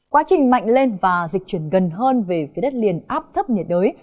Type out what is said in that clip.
quá trình mạnh lên và dịch chuyển gần hơn về phía đất liền áp thấp nhiệt đới